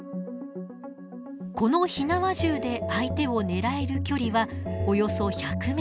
この火縄銃で相手を狙える距離はおよそ１００ｍ。